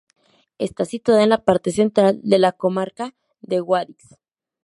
Está situada en la parte central de la comarca de Guadix.